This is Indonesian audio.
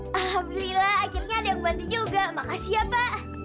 alhamdulillah akhirnya ada yang bantu juga makasih ya pak